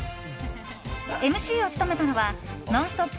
ＭＣを務めたのは「ノンストップ！」